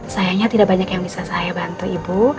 sayangnya tidak banyak yang bisa saya bantu ibu